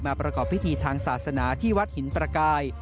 ประกอบพิธีทางศาสนาที่วัดหินประกาย